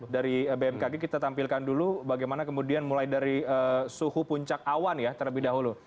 dari bmkg kita tampilkan dulu bagaimana kemudian mulai dari suhu puncak awan ya terlebih dahulu